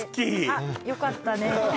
あっよかったね